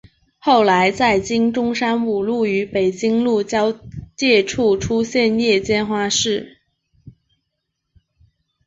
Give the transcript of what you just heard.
后来在今中山五路与北京路交界处出现夜间花市。